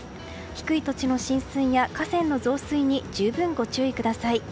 低い土地の浸水や河川の増水に十分ご注意ください。